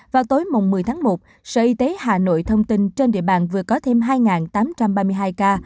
vào tối một mươi tháng một sở y tế hà nội thông tin trên địa bàn vừa có thêm hai tám trăm ba mươi hai ca